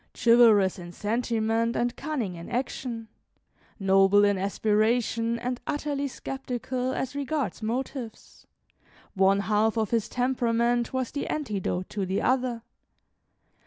Chivalrous in sentiment and cunning in action, noble in aspiration and utterly sceptical as regards motives, one half of his temperament was the antidote to the other.